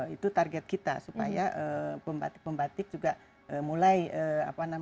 itu target kita supaya pembatik pembatik juga mulai menangani warna alam